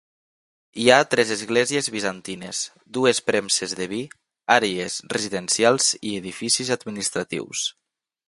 Hi ha tres esglésies bizantines, dues premses de vi, àrees residencials i edificis administratius.